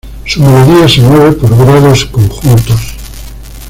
Su melodía se mueve por grados conjuntos.